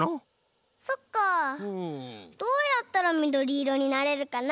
そっかどうやったらみどりいろになれるかな？